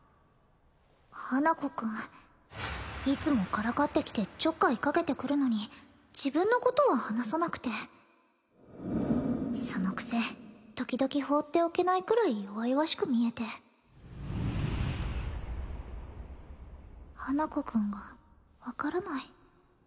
花子くんいつもからかってきてちょっかいかけてくるのに自分のことは話さなくてそのくせときどき放っておけないくらい弱々しく見えて花子くんが分からない